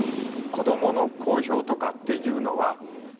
子どもの公表とかっていうのは。